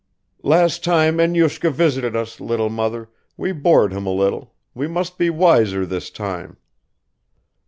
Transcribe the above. "Last time Enyushka visited us, little mother, we bored him a little; we must be wiser this time."